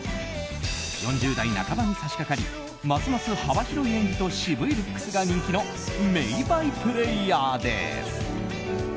４０代半ばに差し掛かりますます幅広い演技と渋いルックスが人気の名バイプレーヤーです。